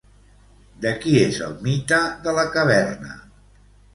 De qui és el mite de la caverna?